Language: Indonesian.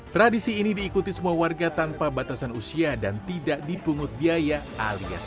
tradisi ini diikuti semua warga tanpa batasan usia dan tidak dipungut biaya alias